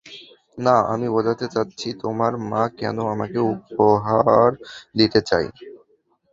না, আমি বোঝাতে চাচ্ছি তোমার মা কেন আমাকে উপহার দিতে চায়?